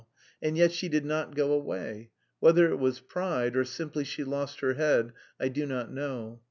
And yet she did not go away. Whether it was pride or simply she lost her head, I do not know.